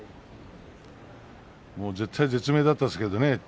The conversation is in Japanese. もう絶体絶命だったんですけどね。